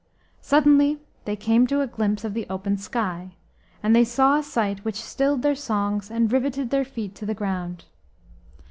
Suddenly they came to a glimpse of the open sky, and they saw a sight which stilled their songs and riveted their feet to the ground.